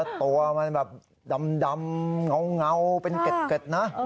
ตัวมันแบบดำเงาเป็นเกร็ดนะ